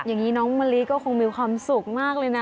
อย่างนี้น้องมะลิก็คงมีความสุขมากเลยนะ